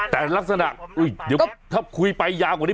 แต่ลักษณะอุ๊ยเดี๋ยวครับคุยไปยากว่านี้